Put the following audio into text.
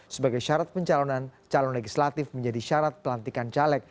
sebagai syarat pencalonan calon legislatif menjadi syarat pelantikan caleg